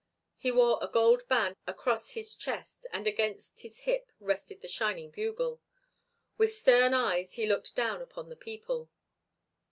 He wore a gold band across his chest and against his hip rested the shining bugle. With stern eyes he looked down upon the people.